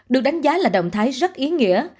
được đánh giá là động thái rất ý nghĩa